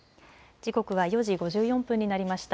時刻は４時５４分になりました。